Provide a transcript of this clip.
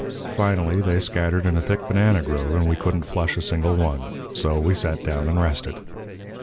Finally they scattered in a thick banana grove, and we couldn't flush a single one. So we sat down and rested.